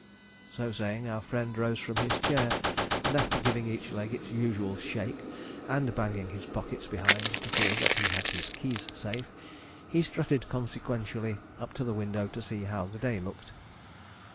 So saying, our friend rose from his chair, and after giving each leg its usual shake, and banging his pockets behind to feel that he had his keys safe, he strutted consequentially up to the window to see how the day looked.